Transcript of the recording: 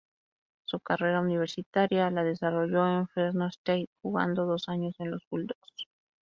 Su carrera universitaria la desarrolló en Fresno State, jugando dos años en los "Bulldogs".